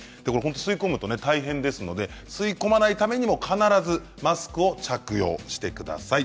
吸い込むと大変ですので吸い込まないためにも必ずマスクを着用してください。